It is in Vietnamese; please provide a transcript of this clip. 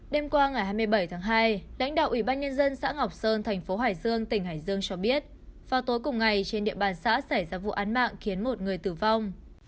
đêm qua ngày hai mươi bảy tháng hai lãnh đạo ủy ban nhân dân xã ngọc sơn thành phố hải dương tỉnh hải dương cho biết vào tối cùng ngày trên địa bàn xã xảy ra vụ án mạng khiến một người tử vong